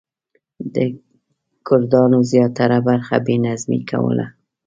د کردانو زیاتره برخه بې نظمي کوله.